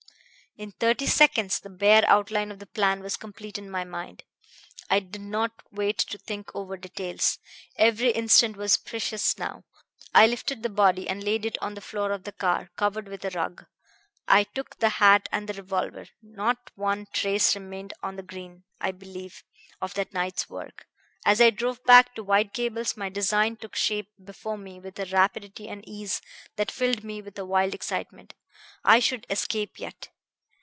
"In thirty seconds the bare outline of the plan was complete in my mind. I did not wait to think over details. Every instant was precious now; I lifted the body and laid it on the floor of the car, covered with a rug. I took the hat and the revolver. Not one trace remained on the green, I believe, of that night's work. As I drove back to White Gables my design took shape before me with a rapidity and ease that filled me with a wild excitement. I should escape yet!